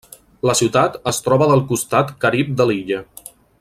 La ciutat es troba del costat Carib de l'illa.